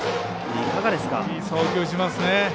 いい送球しますね。